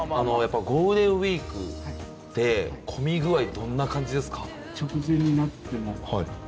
ゴールデンウイークって混み具合どんな感じですか？